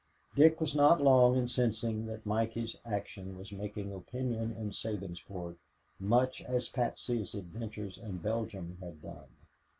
Dick was not long in sensing that Mikey's action was making opinion in Sabinsport, much as Patsy's adventures in Belgium had done.